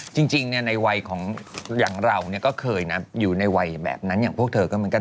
จริงในวัยของอย่างเราก็เคยนะอยู่ในวัยแบบนั้นอย่างพวกเธอก็เหมือนกัน